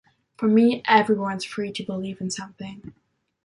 For me everyone's free to believe in something.